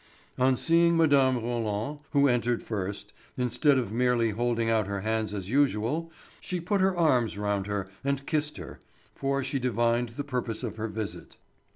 On seeing Mme. Roland, who entered first, instead of merely holding out her hands as usual, she put her arms round her and kissed her, for she divined the purpose of her visit.